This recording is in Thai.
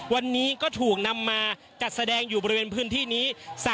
วันนี้ก็ถูกนำมาจัดแสดงอยู่บริเวณพื้นที่นี้